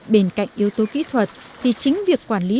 bên cạnh yếu tố kỹ thuật thì chính việc quản lý lòng nước